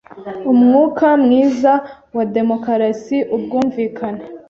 umwuka mwiza wa demokarasi ubwumvikane